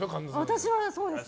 私はそうですね。